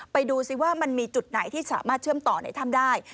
ไปดูซิว่ามันมีจุดไหนที่สามารถเชื่อมต่อในถ้ำได้